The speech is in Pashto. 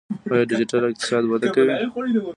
آیا ډیجیټل اقتصاد وده کوي؟